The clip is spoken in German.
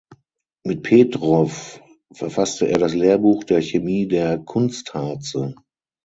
Mit Petrow verfasste er das Lehrbuch der Chemie der Kunstharze.